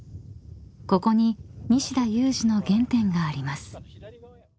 ［ここに西田有志の原点があります］